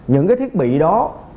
những cái thiết bị đó